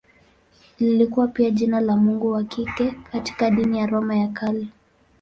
Lilikuwa pia jina la mungu wa kike katika dini ya Roma ya Kale.